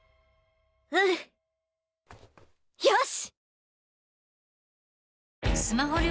うん！よし！